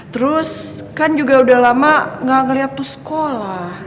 terus kan juga udah lama gak ngeliat tuh sekolah